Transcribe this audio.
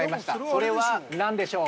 それは何でしょう？